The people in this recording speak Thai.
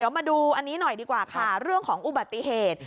มาดูอันนี้หน่อยดีกว่าค่ะเรื่องของอุบัติเหตุ